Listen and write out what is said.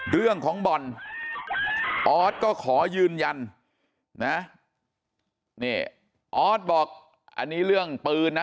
เรื่องของบ่อนออสก็ขอยืนยันนะนี่ออสบอกอันนี้เรื่องปืนนะ